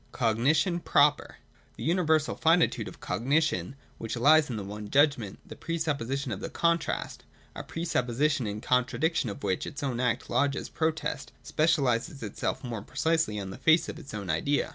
(a) Cognition proper. 226.J The universal finitude of Cognition, which lies in the one judgment, the pre supposition of the contrast (§ 224), — a pre supposition in contradiction of which its own act lodges protest, specialises itself more precisely on the face of its own idea.